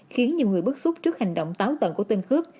khiến nhiều người bức xúc trước hành động táo tận của tên cướp